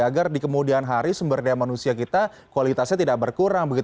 agar di kemudian hari sumber daya manusia kita kualitasnya tidak berkurang